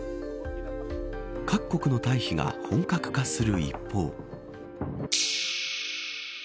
各国の退避が本格化する一方。